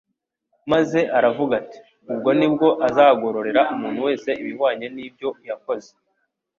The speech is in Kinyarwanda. Maze aravuga ati:" Ubwo nibwo azagororera umuntu wese ibihwanye n'ibyo yakoze"